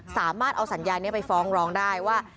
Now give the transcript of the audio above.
สามารถเอาสัญญานี้ไปฟ้องร้องได้ว่า